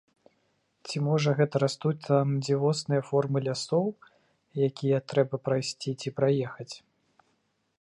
Ці можа гэта растуць там дзівосныя формы лясоў, якія трэба прайсці ці праехаць?